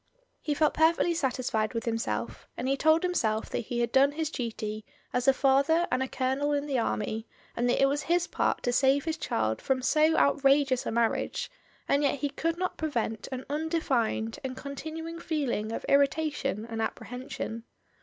He felt perfectly satisfied with himself, and he told himself that he had done his duty as a father and a colonel in the army, and that it was his part to save his child from so outrageous a marriage, and yet he could not prevent an undefined and con^ tinuing feeling of irritation and apprehension.